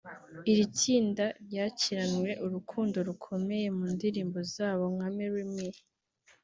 Iri tsinda ryakiranywe urukundo rukomeye mu ndirimbo zabo nka ‘Marry Me’